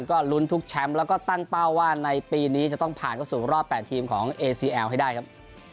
ก็ลุ้นทุกแชมป์แล้วก็ตั้งเป้าว่าในปีนี้จะต้องผ่านเข้าสู่รอบ๘ทีมของเอซีแอลให้ได้ครับ